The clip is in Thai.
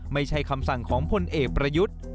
ไม่ใช่คำสั่งของพลเอกประยุทธ์